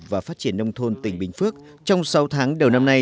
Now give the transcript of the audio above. và phát triển nông thôn tỉnh bình phước trong sáu tháng đầu năm nay